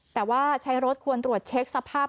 แต่ว่าใช้รถควรตรวจเช็คสภาพ